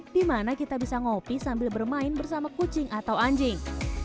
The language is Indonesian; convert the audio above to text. di mana kita bisa ngopi sambil bermain bersama kucing atau anjing